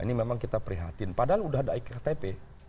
ini memang kita prihatin padahal udah ada iktp